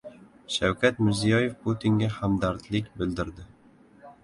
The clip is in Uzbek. Shavkat Mirziyoyev Putinga hamdardlik bildirdi